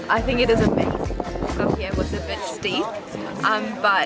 pemimpinan dan penonton berkata bahwa ini adalah suatu perhubungan yang sangat baik